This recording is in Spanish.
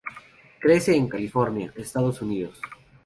Crece en California, Estados Unidos.